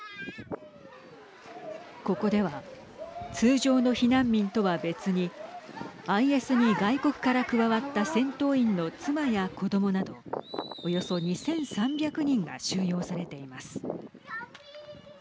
ここでは通常の避難民とは別にＩＳに外国から加わった戦闘員の妻や子どもなどおよそ２３００人が収容されています。